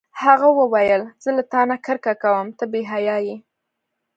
هغه وویل: زه له تا نه کرکه کوم، ته بې حیا یې.